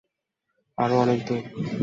আরও অনেক দূর।